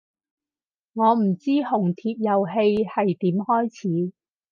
我唔知紅帖遊戲係點開始